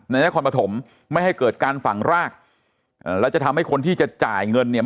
นครปฐมไม่ให้เกิดการฝังรากแล้วจะทำให้คนที่จะจ่ายเงินเนี่ย